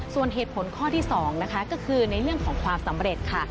ส่วนเหตุผลข้อที่๒นะคะก็คือในเรื่องของความสำเร็จค่ะ